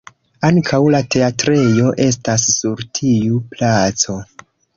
Ankaŭ la teatrejo estas sur tiu placo.